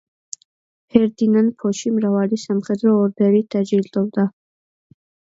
ფერდინან ფოში მრავალი სამხედრო ორდენით დაჯილდოვდა.